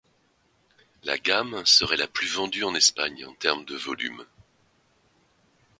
La gamme serait la plus vendue en Espagne en termes de volume.